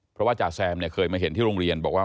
เพราะว่าจ่าแซมเนี่ยเคยมาเห็นที่โรงเรียนบอกว่า